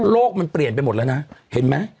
มันเปลี่ยนไปหมดแล้วนะเห็นไหม